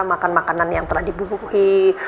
makan makanan yang telah dibubuhi